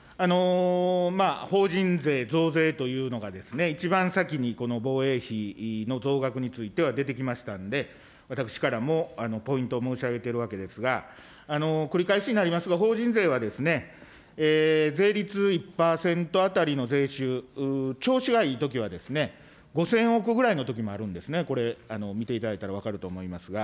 法人税増税というのが、一番先に防衛費の増額については出てきましたんで、私からもポイント申し上げているわけですが、繰り返しになりますが、法人税は税率１％当たりの税収、調子がいいときは５０００億ぐらいのときもあるんですね、これ見ていただいたら分かると思いますが。